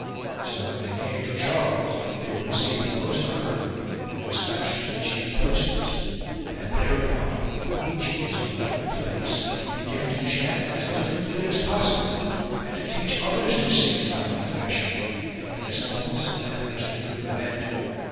So when they came to Charles they were received most honourably and despatched to the chief places. And thereupon each in his 73 CHARLES EXPOSES THE CLERKS allotted place began to chant as differently as possible, and to teach others to sing in like fashion, and in as false a manner as they could invent.